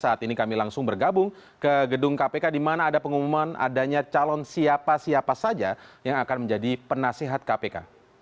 saat ini kami langsung bergabung ke gedung kpk di mana ada pengumuman adanya calon siapa siapa saja yang akan menjadi penasihat kpk